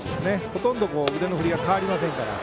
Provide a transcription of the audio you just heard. ほとんど腕の振りが変わりませんから。